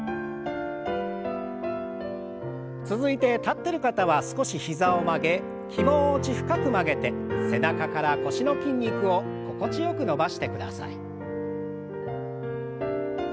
続いて立ってる方は少し膝を曲げ気持ち深く曲げて背中から腰の筋肉を心地よく伸ばしてください。